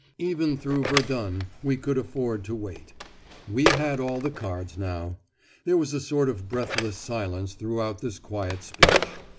Even through Verdun we could afford to wait. We had all the cards now. There was a sort of breathless silence throughout this quiet speech.